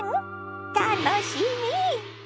楽しみ！